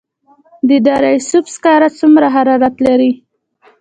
د دره صوف سکاره څومره حرارت لري؟